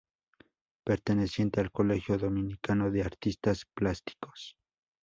Perteneciente al Colegio Dominicano de Artistas Plásticos.